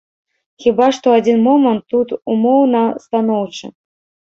Хіба што адзін момант тут умоўна станоўчы.